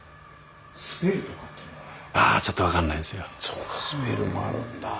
そっかスペルもあるんだ。